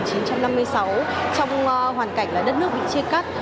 các khúc này được ra đời vào năm một nghìn chín trăm năm mươi sáu trong hoàn cảnh đất nước bị chia cắt